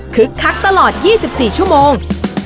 คักตลอด๒๔ชั่วโมง